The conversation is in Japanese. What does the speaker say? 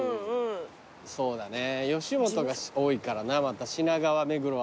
そうだね吉本が多いからなまた品川目黒辺りは。